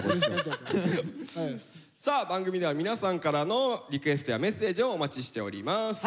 さあ番組では皆さんからのリクエストやメッセージをお待ちしております。